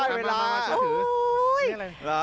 พี่เบิร์ดได้เวลา